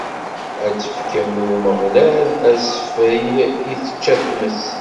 Ad tefkem i Umeɣlal asfel i tečča tmes.